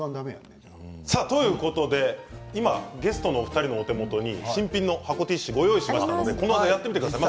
今ゲストのお二人のお手元に新品の箱ティッシュご用意しましたのでやってみてください。